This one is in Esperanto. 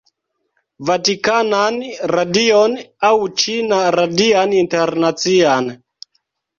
Vatikanan Radion aŭ Ĉina Radian Internacian